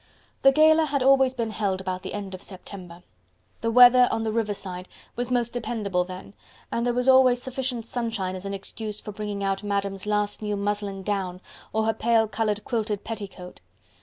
The Gala had always been held about the end of September. The weather, on the riverside, was most dependable then, and there was always sufficient sunshine as an excuse for bringing out Madam's last new muslin gown, or her pale coloured quilted petticoat.